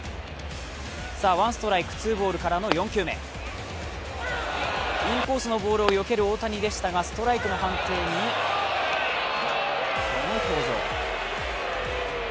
ワンストライク・ツーボールからの４球目、インコースのボールをよける大谷でしたがストライクの判定に、この表情。